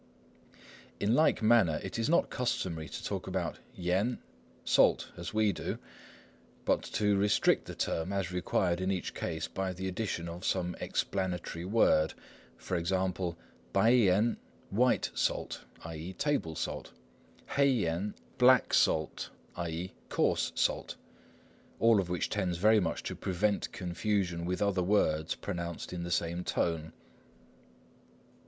In like manner it is not customary to talk about yen, "salt," as we do, but to restrict the term as required in each case by the addition of some explanatory word; for instance, 白盐 "white salt," i.e. "table salt"; 黑盐 "black salt," i.e. "coarse salt"; all of which tends very much to prevent confusion with other words pronounced in the same tone.